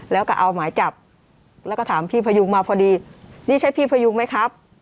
แล้วก็เอาหมายจับแล้วก็ถามพี่พยุงมาพอดีนี่ใช่พี่พยุงไหมครับ